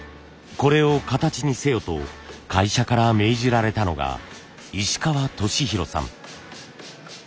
これを形にせよと会社から命じられたのが石川俊宏さん。